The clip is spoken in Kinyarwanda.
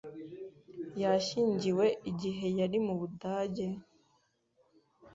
Yashyingiwe igihe yari mu Budage?